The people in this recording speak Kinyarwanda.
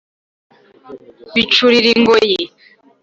Bicurira ingoyi.